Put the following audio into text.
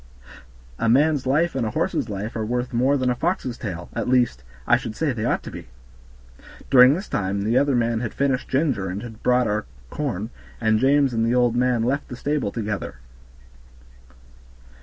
A man's life and a horse's life are worth more than a fox's tail; at least, I should say they ought to be." During this time the other man had finished Ginger and had brought our corn, and James and the old man left the stable together.